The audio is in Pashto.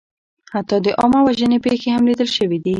حتی د عامهوژنې پېښې هم لیدل شوې دي.